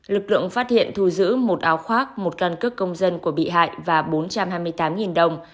lực lượng phát hiện thu giữ một áo khoác một căn cước công dân của bị hại và bốn trăm hai mươi tám đồng